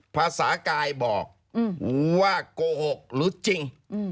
ภาษากายบอกว่าโกหกหรือจริง